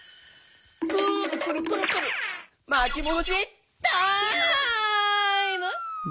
くるくるくるくるまきもどしタイム！